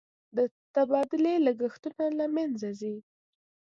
د تبادلې لګښتونه له مینځه ځي.